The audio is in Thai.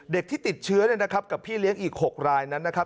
เด็กที่ติดเชื้อกับพี่เลี้ยงอีก๖รายนั้นนะครับ